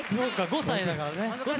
５歳だからね。